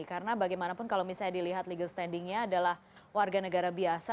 karena bagaimanapun kalau misalnya dilihat legal standingnya adalah warga negara biasa